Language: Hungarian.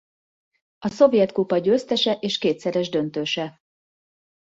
A szovjet kupa győztese és kétszeres döntőse.